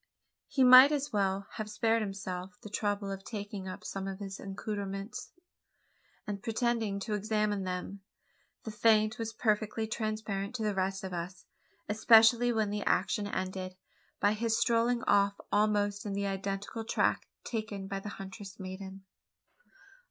He might as well have spared himself the trouble of taking up some of his accoutrements, and pretending to examine them. The feint was perfectly transparent to the rest of us especially when the action ended, by his strolling off almost on the identical track taken by the huntress maiden!